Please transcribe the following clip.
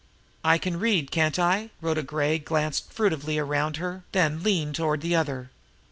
"I can read, can't I?" Rhoda Gray glanced furtively around her, then leaned toward the other.